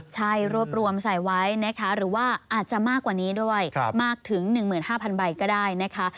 ใช่รวบรวมใส่ไว้นะคะหรือว่าอาจจะมากกว่านี้ด้วยมากถึง๑๕๐๐ใบก็ได้นะคะ